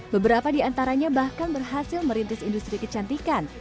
beberapa di antaranya bahkan berhasil merintis industri kecantikan